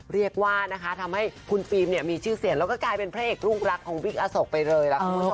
เรียกว่านะคะทำให้คุณฟิล์มเนี่ยมีชื่อเสียงแล้วก็กลายเป็นพระเอกลูกรักของวิกอโศกไปเลยล่ะคุณผู้ชม